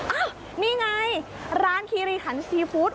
อ้าวนี่ไงร้านคีรีขันซีฟู้ด